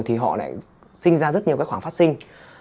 thì họ lại sinh ra rất nhiều cái khoản phát sinh